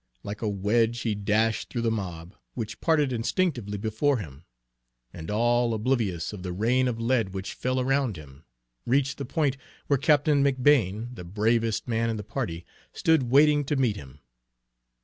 Like a wedge he dashed through the mob, which parted instinctively before him, and all oblivious of the rain of lead which fell around him, reached the point where Captain McBane, the bravest man in the party, stood waiting to meet him.